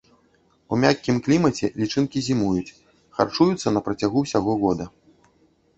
У мяккім клімаце лічынкі зімуюць, харчуюцца на працягу ўсяго года.